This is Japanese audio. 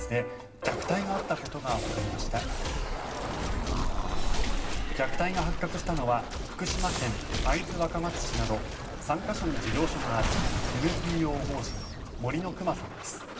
虐待が発覚したのは福島県会津若松市など３か所に事業所があるＮＰＯ法人、杜のくまさんです。